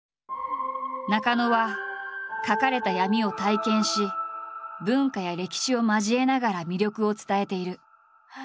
中野は書かれた闇を体験し文化や歴史を交えながら魅力を伝えている。